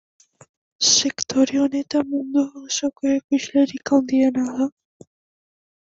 Sektore honetako mundu osoko ekoizlerik handiena da.